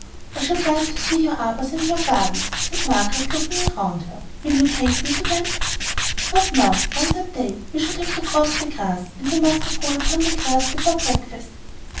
"I should like to see your arbours and your gardens," said Margaret, looking round her. "Will you take me to them?" "Not now," answered they; "we should have to cross the grass, and we must not go upon the grass before breakfast."